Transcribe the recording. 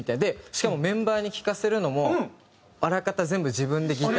しかもメンバーに聴かせるのもあらかた全部自分でギターベース打ち込む